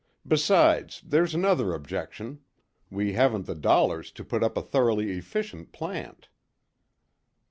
"Besides, there's another objection we haven't the dollars to put up a thoroughly efficient plant."